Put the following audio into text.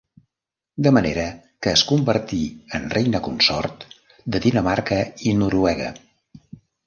De manera que es convertí en reina consort de Dinamarca i Noruega.